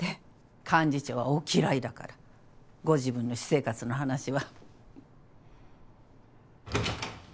幹事長はお嫌いだからご自分の私生活の話は。